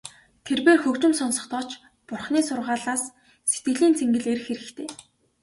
Тэрбээр хөгжим сонсохдоо ч Бурханы сургаалаас сэтгэлийн цэнгэл эрэх хэрэгтэй.